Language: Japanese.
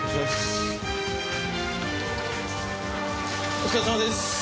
お疲れさまです！